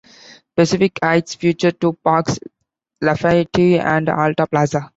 Pacific Heights features two parks, Lafayette and Alta Plaza.